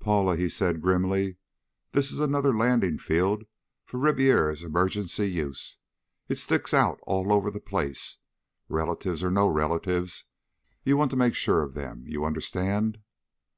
"Paula," he said grimly, "this is another landing field for Ribiera's emergency use. It sticks out all over the place. Relatives or no relatives, you want to make sure of them. You understand?"